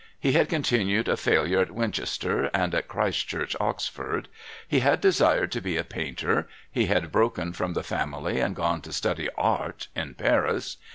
He had continued a failure at Winchester and at Christ Church, Oxford. He had desired to be a painter; he had broken from the family and gone to study Art in Paris.